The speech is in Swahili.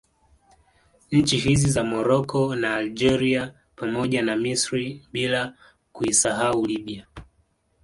Nchi hizi za Morocco na Algeria pamoja na Misri bila kuisahau Libya